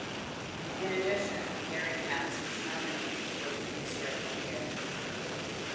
In addition, Gary Katz was nominated for Producer of the Year.